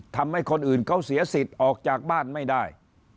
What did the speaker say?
ทำให้คนอื่นเขาเสียสิทธิ์ออกจากบ้านไม่ได้